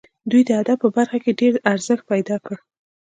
دوی د ادب په برخه کې ډېر ارزښت پیدا کړ.